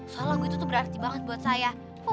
kalau lagu itu tuh berarti banget buat saya